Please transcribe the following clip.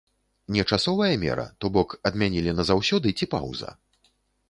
Не часовая мера, то бок, адмянілі назаўсёды ці паўза?